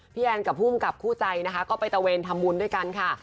แอนกับภูมิกับคู่ใจนะคะก็ไปตะเวนทำบุญด้วยกันค่ะ